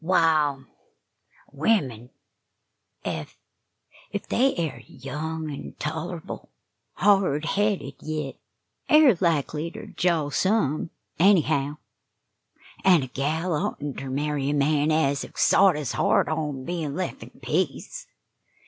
"Waal, wimmen ef ef ef they air young an' toler'ble hard headed yit, air likely ter jaw some, ennyhow. An' a gal oughtn't ter marry a man ez hev sot his heart on bein' lef' in peace.